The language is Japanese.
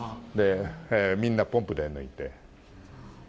みんなポンプで抜いて。